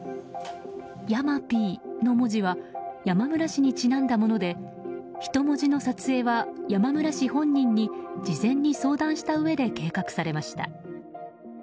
山Ｐの文字は山村氏にちなんだもので人文字の撮影は山村氏本人に事前に相談したうえで計画されました。